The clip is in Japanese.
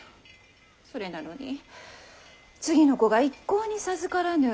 それなのに次の子が一向に授からぬ。